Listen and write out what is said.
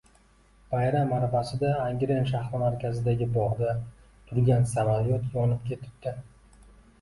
Bayram arafasida Angren shahri markazidagi bogʻda turgan samolyot yonib ketibdi.